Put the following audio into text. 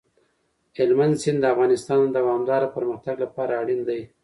هلمند سیند د افغانستان د دوامداره پرمختګ لپاره اړین دی.